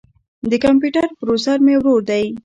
د کمپیوټر بروزر مې ورو دی.